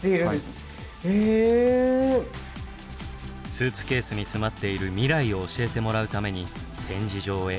スーツケースに詰まっている未来を教えてもらうために展示場へ移動。